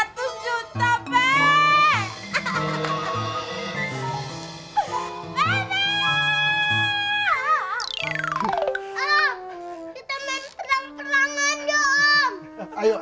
kita main perang perangan yuk